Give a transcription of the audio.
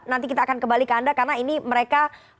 nanti kita akan kembali ke anda karena ini mereka